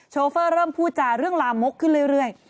โฟเริ่มพูดจาเรื่องลามกขึ้นเรื่อย